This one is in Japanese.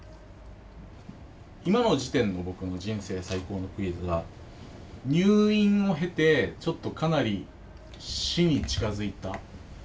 今の時点の僕の人生最高のクイズは入院を経てちょっとかなり死に近づいた。